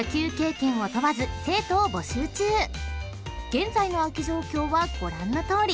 ［現在の空き状況はご覧のとおり］